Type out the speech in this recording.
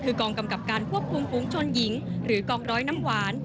คือกองกำกับการควบคุมฝูงชนหญิงหรือกองร้อยน้ำหวาน